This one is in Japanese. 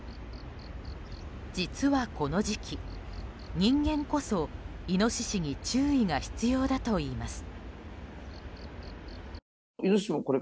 実はこの時期、人間こそイノシシに注意が必要だといいます。